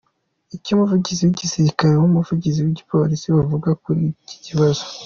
Icyo umuvugizi w’Igisikare n’umuvugizi w’Igipolisi bavuga kuri iki kibazo:.